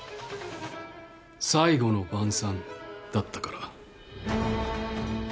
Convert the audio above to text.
最後の晩餐だったから。